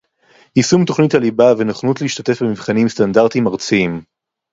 יישום תוכנית הליבה ונכונות להשתתף במבחנים סטנדרטיים ארציים